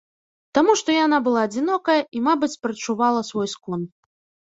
Таму што яна была адзінокая і, мабыць, прадчувала свой скон.